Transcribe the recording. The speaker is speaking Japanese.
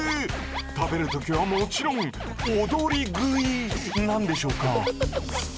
食べる時はもちろん「おどり食い」なんでしょうか？